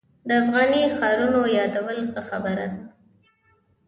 د افغاني ښارونو یادول ښه خبره ده.